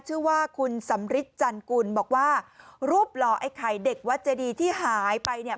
ชื่อว่าคุณสำริทจันกุลบอกว่ารูปหล่อไอ้ไข่เด็กวัดเจดีที่หายไปเนี่ย